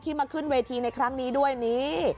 มาขึ้นเวทีในครั้งนี้ด้วยนี่